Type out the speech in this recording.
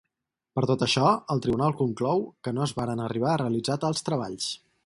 Per tot això, el Tribunal conclou que no es varen arribar a realitzar tals treballs.